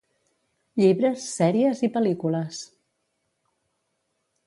Llibres, sèries i pel·lícules.